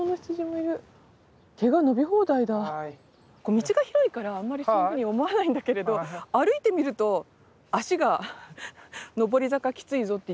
道が広いからあんまりそういうふうに思わないんだけれど歩いてみると脚が上り坂きついぞって言ってます。